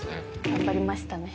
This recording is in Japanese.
頑張りましたね。